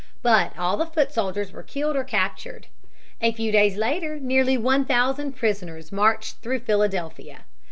But all the foot soldiers were killed or captured. A few days later nearly one thousand prisoners marched through Philadelphia.